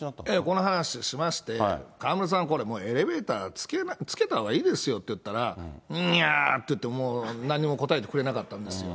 この話、しまして、河村さん、これもうエレベーターつけたほうがいいですよって言ったら、うみゃーって言って、なんにも答えてくれなかったんですよ。